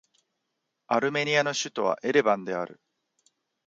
アルメニアの首都はエレバンである